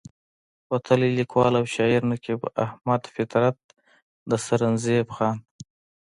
وتلے ليکوال او شاعر نقيب احمد فطرت د سرنزېب خان